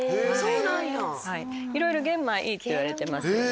玄米いいっていわれてますよね。